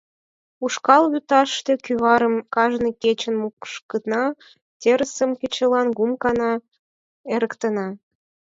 Ушкал вӱташте кӱварым кажне кечын мушкына, терысым кечылан кум гана эрыктена.